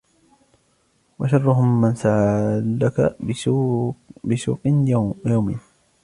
وَشَرُّهُمْ مَنْ سَعَى لَك بِسُوقِ يَوْمٍ